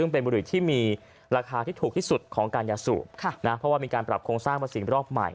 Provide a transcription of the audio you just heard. เป็นบุหรือที่มีราคาที่ถูกที่สุดของการยาสูบ